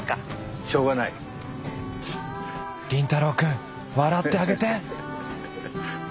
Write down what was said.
凛太郎くん笑ってあげて！